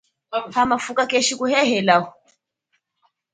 Hamafuka keshikuhehelaho.